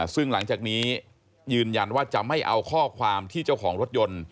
ซึ่งหลังจากนี้ยืนยันว่าจะไม่เอาข้อความที่เจ้าของรถยนต์